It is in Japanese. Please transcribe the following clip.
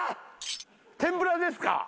天ぷらですか。